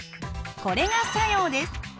これが作用です。